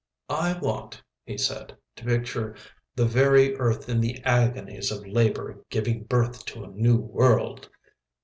"I want," he said, "to picture the very earth in the agonies of labour giving birth to a new world."